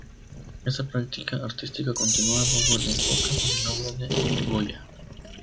Esta práctica artística continúa bajo el enfoque de la obra de Goya.